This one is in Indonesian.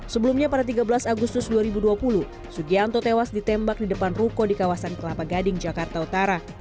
sebelumnya pada tiga belas agustus dua ribu dua puluh sugianto tewas ditembak di depan ruko di kawasan kelapa gading jakarta utara